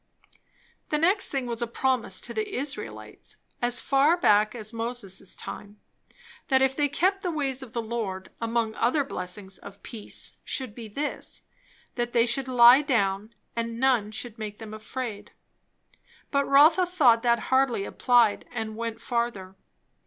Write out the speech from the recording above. The next thing was a promise to the Israelites, as far back as Moses' time; that if they kept the ways of the Lord, among other blessings of peace should be this: that they should lie down and none should make them afraid; but Rotha thought that hardly applied, and went further.